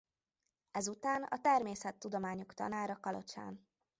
Ezután a természettudományok tanára Kalocsán.